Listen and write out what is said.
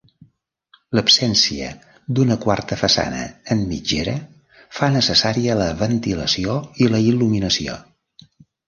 L'absència d'una quarta façana, en mitgera, fa necessària la ventilació i la il·luminació.